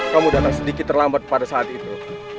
kamu datang sedikit terlambat pada saat itu